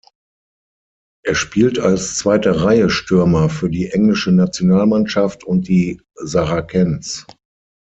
Er spielt als Zweite-Reihe-Stürmer für die englische Nationalmannschaft und die Saracens.